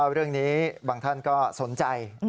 เรื่องนี้บางท่านก็สนใจ